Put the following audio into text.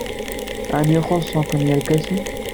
Ɛni xuṣṣen-kem yerkasen?